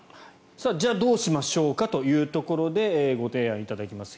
じゃあどうしましょうかというところでご提案いただきます。